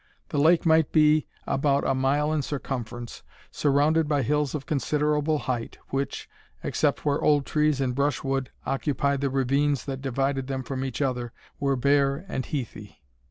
The lake might be about a mile in circumference, surrounded by hills of considerable height, which, except where old trees and brushwood occupied the ravines that divided them from each other, were bare and heathy.